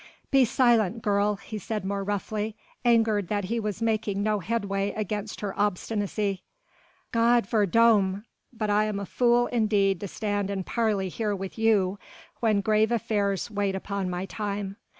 "Be silent, girl," he said more roughly, angered that he was making no headway against her obstinacy. "God verdomme! but I am a fool indeed to stand and parley here with you, when grave affairs wait upon my time.